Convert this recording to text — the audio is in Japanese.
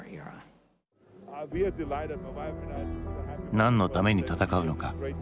何のために戦うのか？